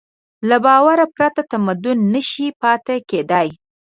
له باور پرته تمدن نهشي پاتې کېدی.